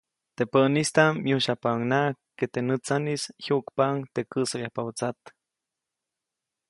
Teʼ pänistaʼm myujsyajpaʼuŋnaʼajk ke teʼ nätsaʼnis jyuʼkpaʼuŋ teʼ käʼsoyajpabä tsat.